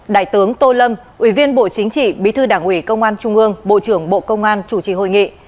đại tướng tô lâm ủy viên bộ chính trị bí thư đảng ủy công an trung ương bộ trưởng bộ công an chủ trì hội nghị